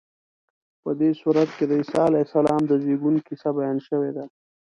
په دې سورت کې د عیسی علیه السلام د زېږون کیسه بیان شوې ده.